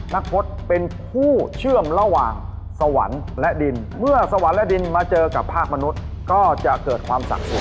พจน์เป็นผู้เชื่อมระหว่างสวรรค์และดินเมื่อสวรรค์และดินมาเจอกับภาคมนุษย์ก็จะเกิดความสะสม